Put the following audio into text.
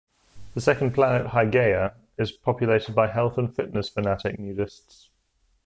The second planet, Hygeia, is populated by health and fitness fanatic nudists.